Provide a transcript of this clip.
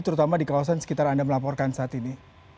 terutama di kawasan sekitar anda melaporkan saat ini